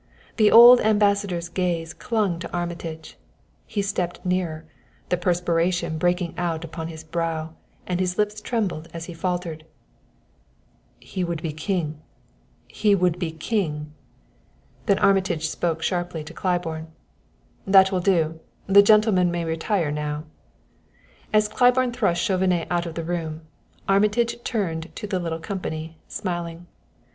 The old Ambassador's gaze clung to Armitage; he stepped nearer, the perspiration breaking out upon his brow, and his lips trembled as he faltered: "He would be king; he would be king!" Then Armitage spoke sharply to Claiborne. "That will do. The gentleman may retire now." As Claiborne thrust Chauvenet out of the room, Armitage turned to the little company, smiling.